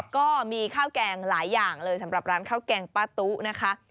ก็มีข้าวแกงหลายอย่างเลยสำหรับร้านข้าวแกงป้าตุ๊นะคะ